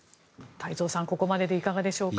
太蔵さん、ここまででいかがでしょうか。